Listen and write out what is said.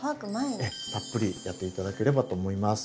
たっぷりやって頂ければと思います。